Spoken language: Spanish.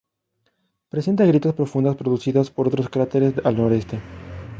Presenta grietas profundas producidas por otros cráteres al noreste.